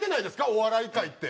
お笑い界って。